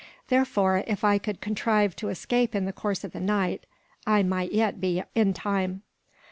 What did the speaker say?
Therefore if I could contrive to escape in the course of the night, I might yet be in time.